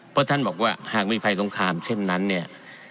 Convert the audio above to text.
เพราะท่านบอกว่าหากมีภัยสงครามเช่นนั้นเนี่ย